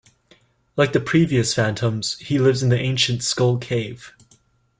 Like the previous Phantoms, he lives in the ancient Skull Cave.